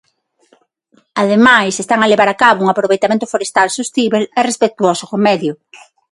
Ademais, están a levar a cabo un aproveitamento forestal sostíbel e respectuoso co medio.